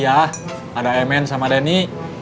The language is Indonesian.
iya ada emman sama denny